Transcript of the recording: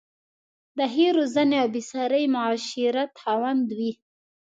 د ښې روزنې او بې ساري معاشرت خاوند وې.